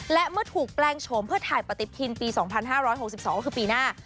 และเมื่อถูกแปลงโฉมเพื่อถ่ายปฏิทินปี๒๕๖๒ก็คือปีหน้า